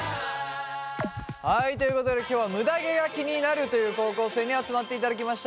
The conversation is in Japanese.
はいということで今日はむだ毛が気になるという高校生に集まっていただきました。